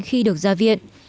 khi được chăm sóc cho bệnh nhân